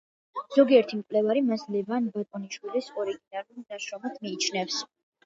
ზოგიერთი მკვლევარი მას ლევან ბატონიშვილის ორიგინალურ ნაშრომად მიიჩნევს.